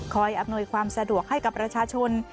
อำนวยความสะดวกให้กับประชาชน